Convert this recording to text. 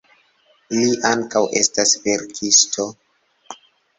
Li ankaŭ estas verkisto.